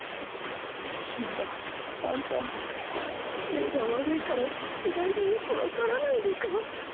シンバ、あんた目が悪いから違いがよく分からないのか？